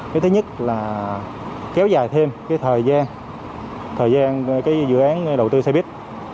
cái thứ nhất là kéo dài thêm cái thời gian thời gian cái dự án đầu tư xe buýt